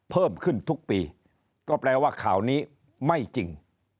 เพิ่มขึ้นทุกปีก็แปลว่าข่าวนี้ไม่จริง